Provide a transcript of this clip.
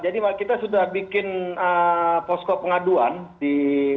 jadi kita sudah bikin posko pengaduan di